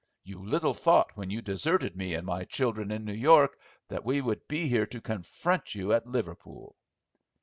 You little thought when you deserted me and my children in New York that we would be here to confront you at Liverpool."